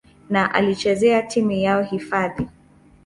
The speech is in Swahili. na alichezea timu yao hifadhi.